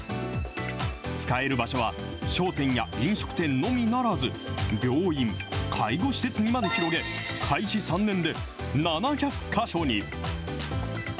使える場所は、商店や飲食店のみならず、病院、介護施設にまで広げ、開始３年で７００か所に。